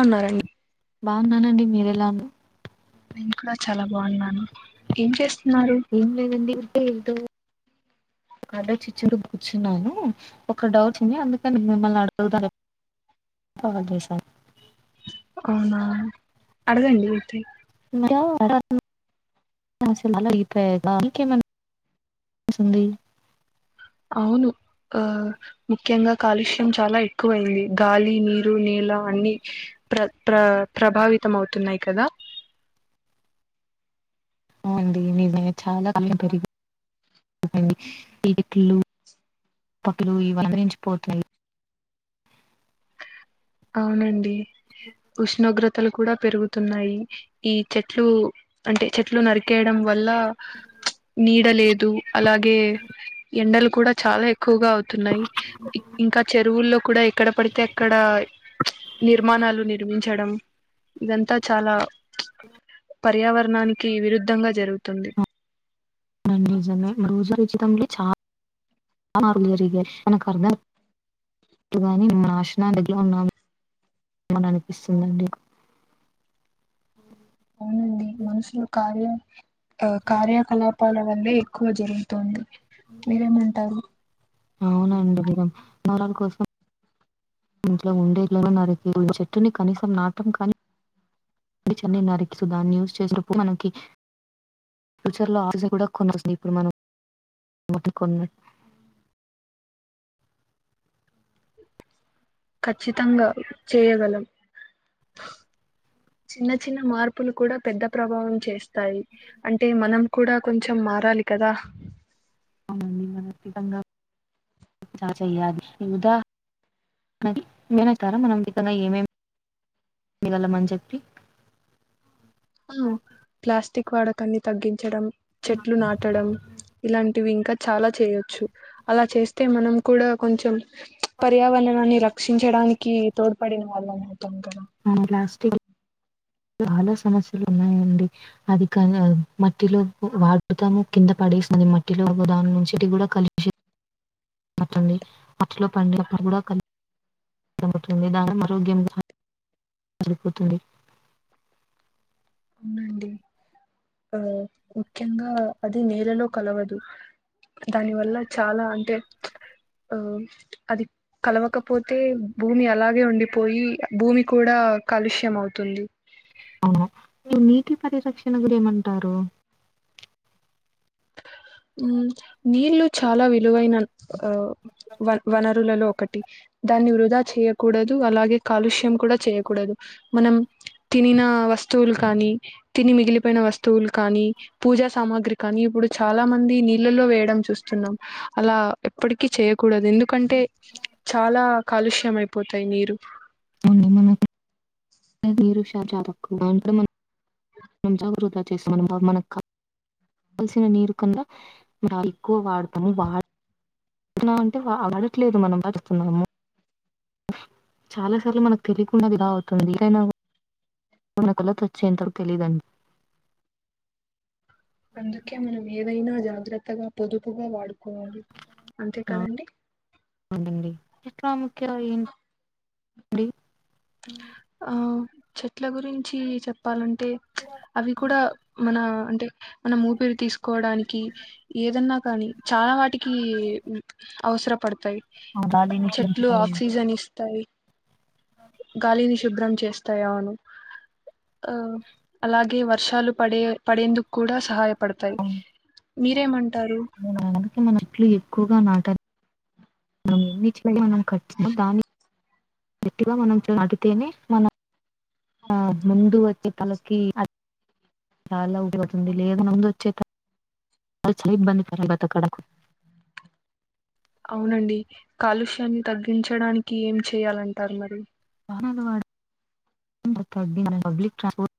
అన్నారండి బాగున్నానండి మీరు ఎలా ఉన్నా నేను కూడా చాలా బాగున్నాను ఏం చేసు ఏం లేదండి ఏదో ఒక ఆర్డర్ చిచ్చువుంటూ కూర్చున్నాను ఒక డౌట్ ఉంది అందుకని మిమ్మల్ని అడుగుదామని కాల్ చేశాను అవునా అడగండియితే [unintelligible] అవును ఆ ముఖ్యంగా కాలుష్యం చాలా ఎక్కువైంది గాలి నీరు నేల అన్ని ప్ర ప్ర ప్రభావితం అవుతున్నాయి కదా అవునండి నిజంగా చాలా [unintelligible] పిచ్చుకలు పక్షులు అవతరించిపోతున్నాయి అవును అండి ఉష్ణోగ్రత్ తలు కూడా పెరుగుతున్నాయి ఈ చెట్లు అంటే చెట్లు నరికేయడం వల్ల నీడ లేదు అలాగే ఎండలు కూడా చాలా ఎక్కువగా అవు తున్నాయి ఇంకా చెరువుల్లో కూడా ఎక్కడ పడితే అక్కడయ్ నిర్మాణాలు నిర్మించడం ఇదంతా చాలా పర్యావరణానికి విరుద్ధంగాత్ జరుగుతుంది నండిజమే రోజు రోజు తంనే చ ఆ నాకు ఉంది లే జిరే అని కరీంనర్ వాని నాశునాడెడ్ లో ఉన్నాము ఏమన్నా అనిపిస్తుందండి అవునండి మనుషులు కార్యం కార్యకలాపాల వందే ఎక్కువ జరుగుతుంది అవునండి దూరం కోసం ఇంట్లో ఉండేట్లో నరికి ఒక్క చెట్టుని కనీసం నాటం కానీ ఈడిచ్ అన్ని నరికి సో దాన్ని యూస్ చేసినప్పుడు మనకి ఫ్యూచర్లో ఆఫీస్ కి కూడా కొన్నావస్తుంద ఇప్పుడు మనం బాటిల్ కొన్నటు ఖచ్చితంగా చేయగలం చిన్న చిన్న మార్పులు కూడా పెద్ద ప్రభావం చేస్తాయి అంటే మనం కూడా కొంచెం మారాలి కదా అవునండి మనఫితంగా చ చెయ్యాలి ఈదా మేనతారా మనం వితంగా ఏమేమి మిలలం అని చెప్పి హలో ప్లాస్టిక్ వాడకు క్కన్ని తగ్గించడం చెట్లు నాటడం ఇలాంన్ టివి ఇంకా చాలా చేయొచ్చు అలా చేస్తే మనం కూడా కొంచెం పర్యావణాన్ని రక్షించడాని కి తోడ్ పడిన వాళ్ళము అవ్వుతాం కా ఉమ్ ప్లాస్టిక్ చాలా సమస్యలు ఉన్నాయండి అది కదా మట్టిలో వాడుతాము కింద పడేసినది మట్టిలో ఒకదాని నుంచి కూడా కలిషి బాచుంది అట్లో పండిప్పుడు కూడా కను దమ్ముతుంది దాన ఆరోగ్యం రిపోతుండి అవునండి ఆ ముఖ్యంగా అది నేలలో కలవదు దాని వల్ల చాలా అంటే ఆ అది కలవకపోతే భూమి అలాగే ఉండిపోయి భూమి కూడా కాలుష్య అవుతుంది అవునా మీరు నీటి పరిరక్షణ గురూ ఏమంటారు నీళ్లు చాలా విలువైన ఆ వ వనరులలో ఒకటి దాన్ని వృధా చేయకూడదు అలాగే కాలుష్యం కూడా చేయకూడదు మనం తినిన వస్తువులు కానీ తిని మిగిలిపోయిన వస్తువులు కానీ పూజా సామాగ్రి కానీ ఇప్పుడు చాలా మంది నీళ్ళలో వేయడం చూస్తున్నాం అలా ఎప్పటికీ చేయకూడదు ఎందుకంటే చాలా కాలుష్య అయిపోతాయి నీరు అ మనకురు [unintelligible] [unintelligible] మనం మన కాల్సిన నీరు కింద ఎక్కువ వాడతాము వాన్నా అంటే వాడట్లేదు మనం వాడుతున్నాము చాలా సార్లు మనకు తెలియకున్నది ఇలా అవుతుంది ఏరైనా ఉన్న కలత వచ్చేంతకు తెలీదండి అందుకే మనం ఏదైనా జాగ్రత్తగా పొదుపుగా వాడు వాలి అంతే ఆ, కదండి ఈ అండి ఆ చెట్ల గురించి చెప్పాలంటే అ అవి కూడా మన మన ఊపిరు తీసుకోవడానికి ఏదన్నా కానీ చాలా వాటికి కి అవసరపడుతుం తాయి ఆ గాలిని చెట్లు పీల్చుతాయి. ఆక్సిజన్ ఇస్త తయి గాలి ని శుభ్రం చేస్తాను ఆ అలాగే వర్షాలు పడే పడేందుకు కూడా సహాయ పడతాయి మీరేమంట మకే మన ఇట్లు ఎక్కువగా నాట మనం ఎన్ని మనం కట్ దాని గట్టిగా మనం అడితేనే మనం ఆ ముందు వచ్చే తలకి చాలా ఉడిపతుంది లేదా ముందు వచ్చే చాలా ఇబ్బంది పర్త కడకు అవునండి కాలుష్యాన్ని తగ్గించడానికి ఏం చేయాలంటారు మరి [unintelligible] పబ్లిక్ ట్రాన్స్పోర్ట్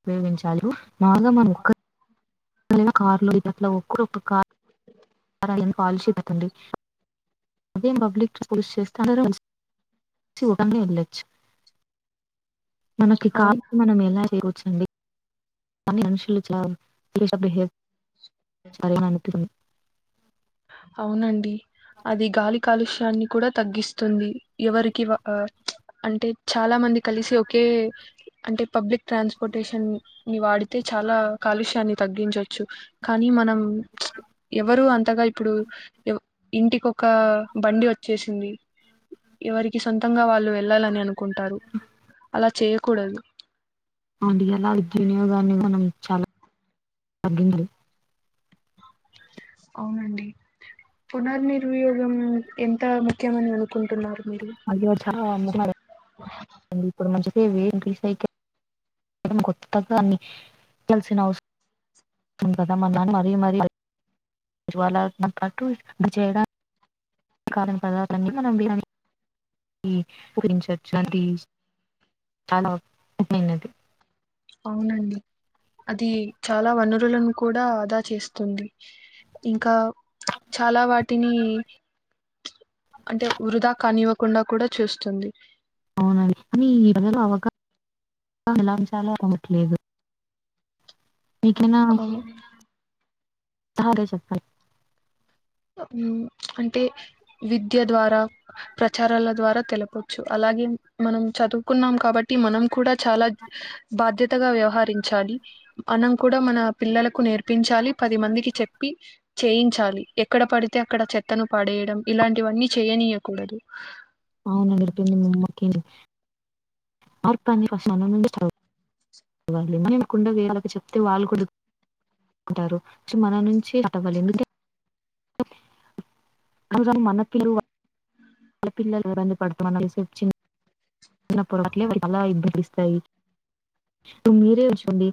ఉపయోగించ మాగామముకు కార్లో ఇ అట్లా ఒక్కరుక్క కార్ కాలడి అదే పబ్లిక్ పోలిష చేస్తా అందరు ఒకని వెళ్ళొచ్చు మనకి అవును కాదు మన మ ఎల అండి త అనులుడ హ [unintelligible] అవునండి అది గాలి కాలుష్యాన్ని కూడా తగ్గిస్తుంది, ఎవరికి అంటే చాలా మంది కలిసి ఒకే అంటే పబ్లిక్ ట్రాన్స్పోర్టేషన్ ని వాడితే చాలా కాలుష్యాన్ని తగ్గించచ్చు కానీ మనం ఎవరు అంతగా ఇప్పుడు, ఇంటికొక బండి వచ్చేసింది, ఎవరికి సొంతంగా వాళ్ళు వెళ్ళాలని అనుకుంటారు, అలా చేయకూడదు అంటి ఎలా విద్యునియోగాన్ని మనం చాలా తగ్గింద అవునండి, పునర్నిర్వియోగం ఎంత ముఖ్యమని అనుకుంటున్నారు మీరు మళ్ళి చాలా [inaudible] ఇప్పుడు మంచి రీసైకిల్ కొత్త దాన్ని లిసిన అవసరం ఉంది కదా మనా మరీ మరీ జ్వాల పాటు అది చేయడానికాని పదాలన్ని మనం వినవించచ్చు అది చాలాది అవునండి అది చాలా వనరులను కూడా ఆదా చేస్తుంది, ఇంకా చాలా వాటిని అంటే వృధా కానివ్వకుండా కూడా చూస్తుంది అవునా కానీ ఈ ప్రజలు అవక ఎలాయించాలో ట్లేదు ఇకనా అవును సరే చెప్పు ఉమ్ అంటే విద్య ద్వారా, ప్రచారాల ద్వారా తెలపచ్చు, అలాగే మనం చదువుకున్నాం కాబట్టి మనం కూడా చాలా బాధ్యతగా వ్వవ ఆహరించాలి, మనం కూడా మన పిల్లలకు నేర్పించాలి, పది మందికి చెప్పి చేయించాలి ఎక్కడ పడితే అక్కడ చెత్తను పడేయడం ఇలాంటివన్నీ చేయనీయకూడదు. అవున నడిపింది మమ్మకిని ఆర్ ప్రాణీ ఫస్ట్ మన నుండే సా మేము కుడా వీళ్ళకి చెప్తే, వాళ్ళు కూడా ఉంటారు, సో మన నుంచి స్టార్ట్ అవ్వాలి ఎందుక మన పిల్లు [inaudible] చిన్న [unintelligible] మీరే వుంచండి,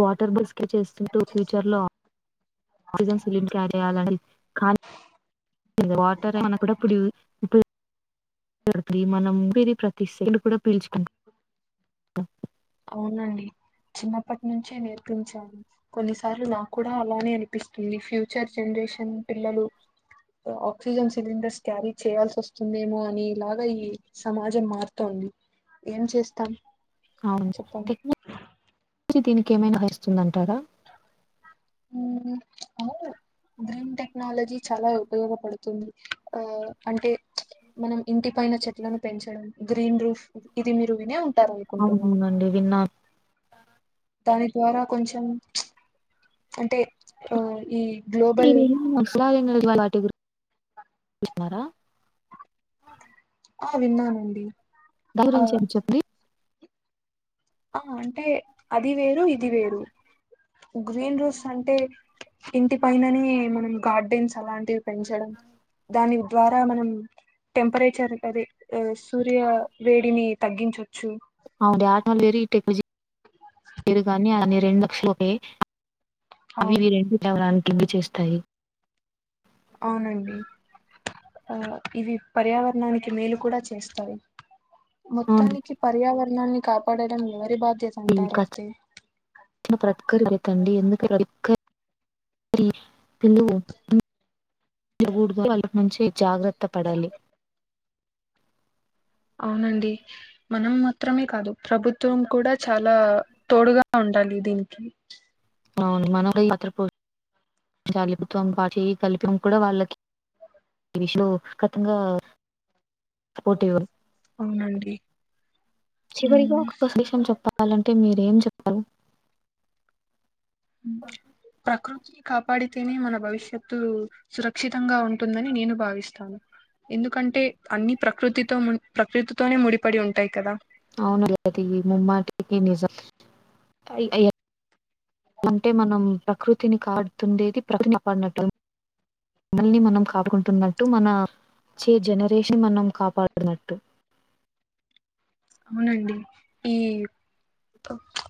వాటర్ బస్స్కె చేస్కుంటూ ఫ్యూచర్ లో ఆక్సిజన్ సిలీన్ కాజేయలండి కాల్ వాటర్ మనకు కూడా పడి ఇప్పు మనం పీరి ప్రతిస్ కూడా పీల్చుకుంటం అవునండి చిన్నప్పటి నుంచే నేర్పించాలి కొన్నిసార్లు నాకు కూడా అలానే అనిపిస్తుంది ఫ్యూచర్ జనరేషన్ పిల్లలు ఆక్సిజన్ సిలిండర్స్ క్యారీ చేయాల్సి వస్తుందేమో అని ఇలాగా ఈ సమాజం మారుతోంది, ఏం చేస్తాం అవును చెప్పండి టెక్నిక్ దీనికి ఏమైనా వస్ వస్తుందంటారా అవును, గ్రీన్ టెక్నాలజీ చాలా ఉపయోగపడుతుంది, ఆ అంటే మనం ఇంటి పైన చెట్లను పెంచడం గ్రీన్ రూఫ్ ఇది మీరు వినే ఉం అవునండి విన్నాను దాని ద్వారా కొంచెం అంటే ఆ ఈ గ్లోబల్ [unintelligible] న్నారా ఆ విన్నానండి ఆ గురించేం చెప్పుడి ఆ అంటే అది వేరు ఇది వేరు గ్రీన్ రోస్ అంటే ఇంటి పైననే మనం గార్డెన్స్ అలాంటివి పెంచడం దాని ద్వారా మనం టెంపరేచర్ అదే సూర్య వేడిని తగ్గించొచ్చు అవుండి ఆటమలు వేరు ఈ టెక్నాలజీ వేరు కానీ అన్ని రెండు లక్షలే అవి అవును ఇవి రెండు [unintelligible] కిన్లీ చేస్తాయి అవును అండి ఆ ఇవి పర్యావరణానికి మేలు కూడా చేస్తాయి అవును. మొత్తానికి పర్యావరణ [unintelligible] కాపాడడం ఎవరి బా ఇంకా [unintelligible] [unintelligible] పిల్లలు కూడదు [unintelligible] నుంచి జాగ్రత్ తపడాలి అవును అండి మనం మాత్రమే కాదు ప్రభుత్వం కూడా చాలా తోడుగా ఉండాలి దీనికి అవును మనమే మాత్ర పు జాలి ప్రభుత్వం కాయ్ చేయి కలిపి కూడా వాళ్ళకి విషు కథుంగా అవునండి చివరిగా ఉమ్ ఒక విషయం చెప్పాలన్ అంటే మీరు ఏం చెప్పార్ యూ [unintelligible] కాపాడితేనే మన భవిష్యత్తు సురక్షితంగా ఉంటుందని నేను భావిస్తాను ఎందుకంటే అన్ని ప్రకృతితో ము ప్రకృతితోనే ముడిపడి ఉంటాయి కదా అవును రేవతి ముమ్మాటికి నిజం అయి అంటే మనం ప్రకృతిని కాపాడుతుండేది ప్రక్ కాపాడినట్టు మనల్ని మనం కాకుంటున్నట్టు మన చే జనరేషన్ మనం కాపాడినట్టు అవునండి ఈ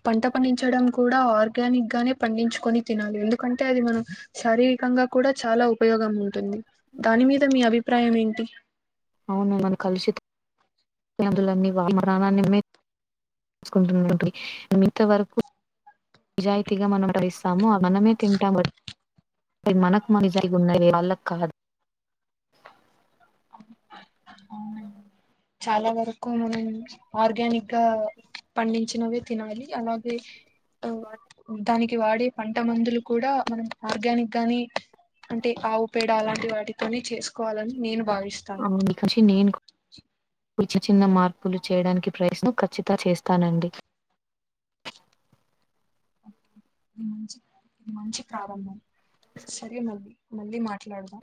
పంట పండించడం కూడా ఆర్గానిక్ గానే పండించుకొని తినాలి ఎందుకంటే అది మనం శారీరకంగా కూడా చాలా ఉపయోగం ఉంటుంది దాని మీద మీ అభి ప్రాయం ఏంటి అవును మన కలుషితం [unintelligible] తీసుకుంటున్నవి ఇంత వరకు నిజాయితీగా మనం వేస్తామో మనమే తింటాము అవి మనక జరిగి ఉన్నాయి వాళ్ళ కాదు చాలా వరకు మనం ఆర్గానిక్ గా పండించినవే తినాలి అలాగే ఓ ఉంటానికి వాడే పంట మందులు కూడా మనం ఆర్గానిక్ గానే అంటే ఆవు పేడ అలాంటి వాటి కొని చేసుకోవాలని నేను భావిస్తాను. అవును ఇక నుంచి నేను ఇచి చిన్న మార్పులు చేయడానికి ప్రయత్నం కచ్చితం చేస్తానండి ఒకే ఇది మంచి ఇది మంచి ప్రారంభం సరే అండి మళ్లీ మా ట్లాడదాం